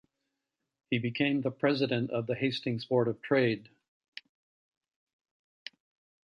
He became the president of the Hastings Board of Trade.